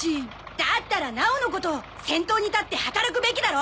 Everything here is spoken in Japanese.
だったらなおのこと先頭に立って働くべきだろ！